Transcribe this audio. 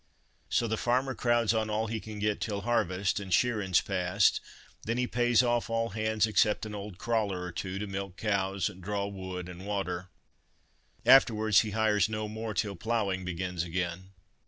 So the farmer crowds on all he can get till harvest and shearin's past, then he pays off all hands, except an old crawler or two, to milk cows and draw wood and water. Afterwards he hires no more till ploughing begins again."